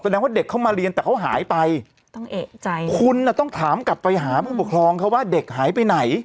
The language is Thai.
ว่าเด็กเข้ามาเรียนแต่เขาหายไปต้องเอกใจคุณน่ะต้องถามกลับไปหาผู้ปกครองเขาว่าเด็กหายไปไหน